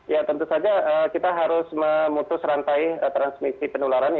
ya tentu saja kita harus memutus rantai transmisi penularan